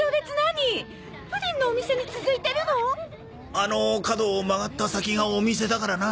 あの角を曲がった先がお店だからな。